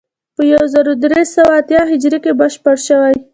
په یو زر درې سوه اتیا هجري کې بشپړ شوی.